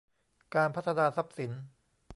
การพัฒนาทรัพย์สิน